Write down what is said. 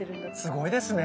すごいですね